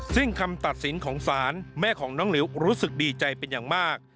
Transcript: ซึ่งคำตัดสินของศาลแม่ของน้องหลิวรู้สึกดีใจเป็นอย่างมาก